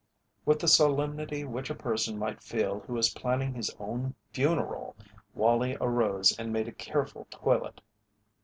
With the solemnity which a person might feel who is planning his own funeral, Wallie arose and made a careful toilet.